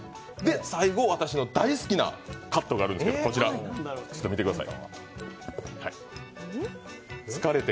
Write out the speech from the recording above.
最後、私の大好きなカットがあるんですけど、見てください。